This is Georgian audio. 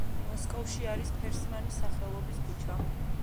მოსკოვში არის ფერსმანის სახელობის ქუჩა.